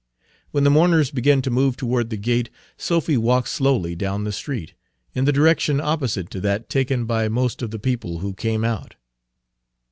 When the mourners began to move toward the gate, Sophy walked slowly down the street, in a direction opposite to that taken by most of the people who came out.